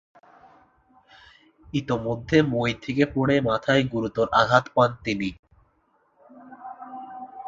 ইতোমধ্যে মই থেকে পরে মাথায় গুরুতর আঘাত পান তিনি।